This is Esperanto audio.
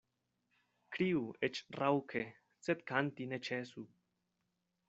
Kriu eĉ raŭke, sed kanti ne ĉesu.